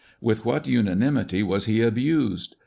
With what unanimity was he abused